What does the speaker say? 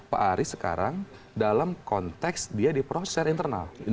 pak aris sekarang dalam konteks dia di proses internal